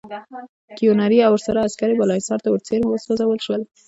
کیوناري او ورسره عسکر یې بالاحصار ته ورڅېرمه وسوځول شول.